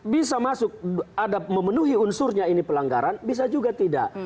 bisa memenuhi unsurnya ini pelanggaran bisa juga tidak